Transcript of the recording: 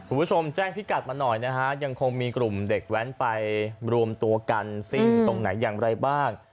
คุณผู้ชมแจ้งพิกัดมาหน่อยนะฮะยังคงมีกลุ่มเด็กแว้นไปรวมตัวกันซิ่งตรงไหนอย่างไรบ้าง